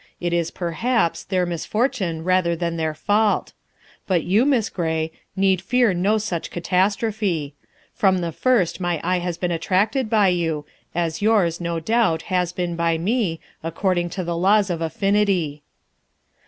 It is, perhaps, their misfortune rather than their fault. But you, Miss Gray, need fear no such catastrophe. From the first my eye has been attracted by you, as yours, no doubt, has been by me, according to the laws of affinity."